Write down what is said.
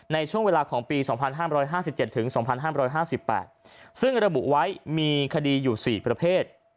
ในช่วงเวลาของปี๒๕๕๗ถึง๒๕๕๘ซึ่งระบุไว้มีคดีอยู่๔ประเภท